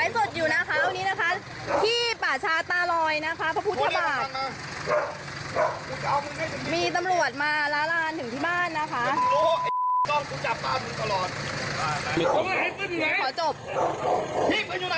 ตำรวจมาหาเรื่องนะคะป้ายทะเบียนนี้นะ